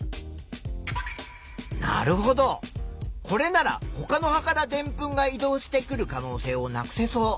なるほどこれならほかの葉からでんぷんが移動してくる可能性をなくせそう。